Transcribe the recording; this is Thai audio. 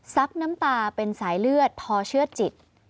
น้ำตาเป็นสายเลือดพอเชื่อจิต